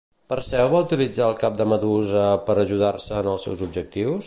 Perseu va utilitzar el cap de Medusa per ajudar-se en els seus objectius?